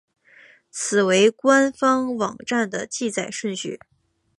此为官方网站的记载顺序。